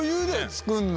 作んの。